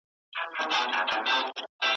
چي هم نن په وینو لژند هم سبا په وینو سور دی .